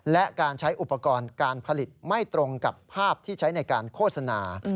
และการใช้อุปกรณ์การผลิตไม่ตรงกับภาพที่ใช้ในการโฆษณา